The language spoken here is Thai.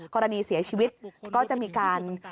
กรณีเสียชีวิตก็จะมีการ